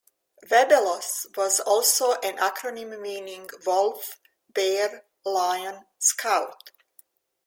Webelos was also an acronym meaning Wolf, Bear, Lion, Scout.